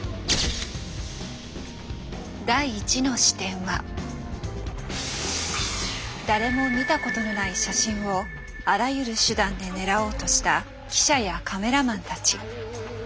第１の視点は誰も見たことのない写真をあらゆる手段で狙おうとした記者やカメラマンたち。